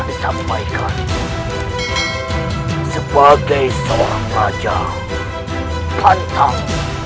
dia bisa membinasakan pajajaran